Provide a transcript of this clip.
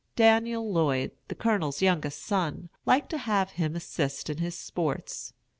Daniel Lloyd, the Colonel's youngest son, liked to have him assist in his sports.